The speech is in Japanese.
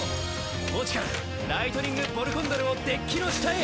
墓地からライトニング・ボルコンドルをデッキの下へ。